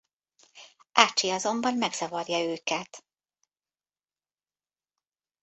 Archie azonban megzavarja őket.